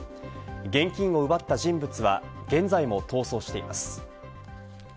現金を奪った人物は現在も逃走しています。